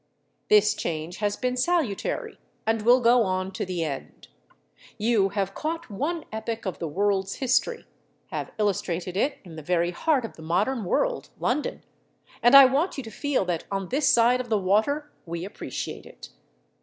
This change has been salutary, and will go on to the end. You have caught one epoch of the world's history, have illustrated it in the very heart of the modern world London and I want you to feel that on this side the water we appreciate it.